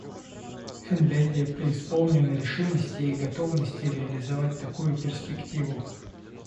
Финляндия преисполнена решимости и готовности реализовать такую перспективу.